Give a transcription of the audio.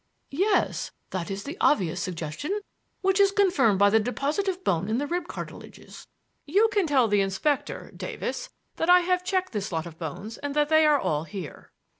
"Yes, that is the obvious suggestion, which is confirmed by the deposit of bone in the rib cartilages. You can tell the inspector, Davis, that I have checked this lot of bones and that they are all here."